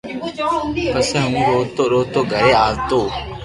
پسو ھون روتو روتو گھري آوتو